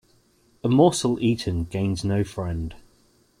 A morsel eaten gains no friend.